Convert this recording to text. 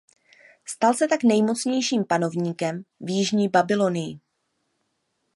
Stal se tak nejmocnějším panovníkem v jižní Babylonii.